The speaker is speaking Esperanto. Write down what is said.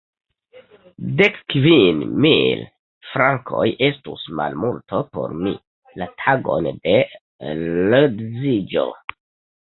Dek kvin mil frankoj estus malmulto por mi, la tagon de l' edziĝo.